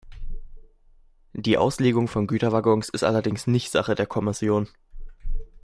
Die Auslegung von Güterwaggons ist allerdings nicht Sache der Kommission.